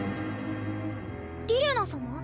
リレナ様？